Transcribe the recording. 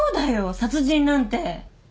殺人なんて。